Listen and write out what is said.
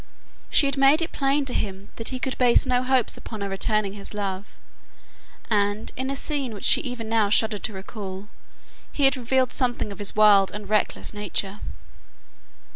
She had made it plain to him that he could base no hopes upon her returning his love, and, in a scene which she even now shuddered to recall, he had revealed something of his wild and reckless nature.